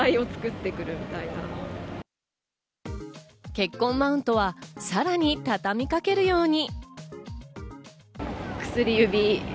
結婚マウントはさらに畳み掛けるように。